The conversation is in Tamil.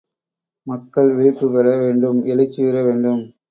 மக்கள் விழிப்புப் பெற வேண்டும் எழுச்சியுற வேண்டும்.